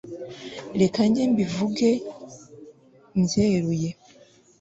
reka jye mbivuge mbyeruye